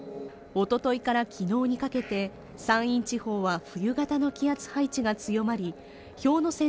おとといから昨日にかけて山陰地方は冬型の気圧配置が強まり氷ノ